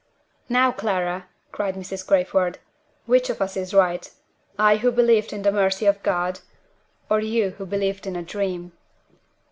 _ "Now, Clara!" cried Mrs. Crayford, "which of us is right? I who believed in the mercy of God? or you who believed in a dream?"